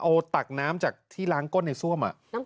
เอาตักน้ำจากที่ล้างก้นในซ่วม